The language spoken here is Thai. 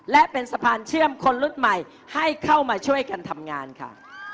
และเป็นสะพานเชื่อมคนรุ่นใหม่ให้เข้ามาช่วยกันทำงานค่ะ